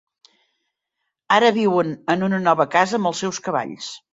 Ara viuen en una nova casa amb els seus cavalls.